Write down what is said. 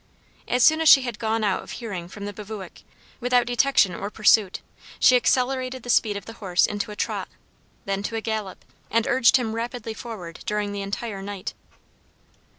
As soon as she had gone out of hearing from the bivouac, without detection or pursuit, she accelerated the speed of the horse into a trot, then to a gallop, and urged him rapidly forward during the entire night.